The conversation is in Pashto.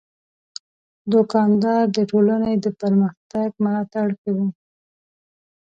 دوکاندار د ټولنې د پرمختګ ملاتړ کوي.